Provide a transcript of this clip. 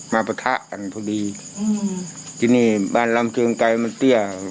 ปะทะกันพอดีอืมที่นี่บ้านลำเชิงไกลมันเตี้ย